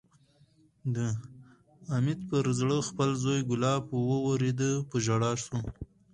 د امیة پر زړه خپل زوی کلاب واورېدی، په ژړا شو